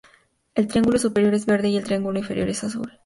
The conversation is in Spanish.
El triángulo superior es verde y el triángulo inferior es azul.